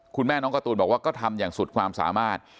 คุณแม่น้องการ์ตูนบอกว่าก็ทำอย่างสุดความสามารถ